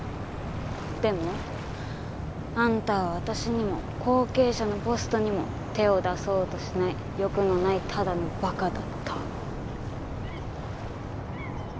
でもあんたは私にも後継者のポストにも手を出そうとしない欲のないただのバカだった。